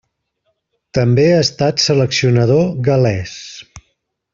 També ha estat seleccionador gal·lès.